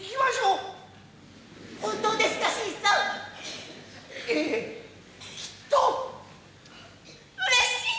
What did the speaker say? うれしい。